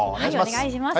お願いします。